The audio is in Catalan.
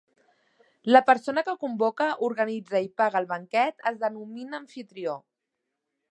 La persona que convoca, organitza i paga el banquet es denomina amfitrió.